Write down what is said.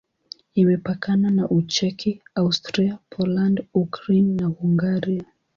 Imepakana na Ucheki, Austria, Poland, Ukraine na Hungaria.